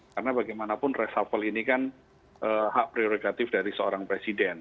karena bagaimanapun resafel ini kan hak prioritatif dari seorang presiden